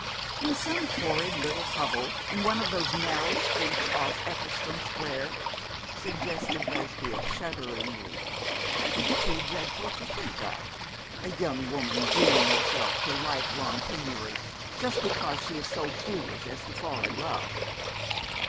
'In some horrid little hovel in one of those narrow streets off Ecclestone Square,' suggested Lesbia, shudderingly. 'It is too dreadful to think of a young woman dooming herself to life long penury, just because she is so foolish as to fall in love.'